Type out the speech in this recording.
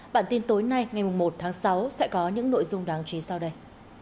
bản tin tối nay ngày một tháng sáu sẽ có những nội dung đáng chí sau đây